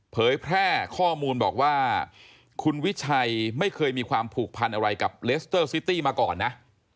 เผยแพร่ข้อมูลบอกว่าคุณวิชัยไม่เคยมีความผูกพันอะไรกับเลสเตอร์ซิตี้มาก่อนนะ